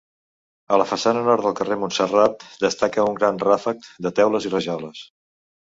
A la façana nord del carrer Montserrat destaca un gran ràfec de teules i rajoles.